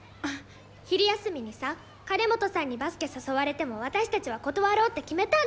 昼休みにさ金本さんにバスケ誘われても私たちは断ろうって決めたんだて。